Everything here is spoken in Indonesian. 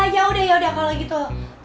yaudah kalau gitu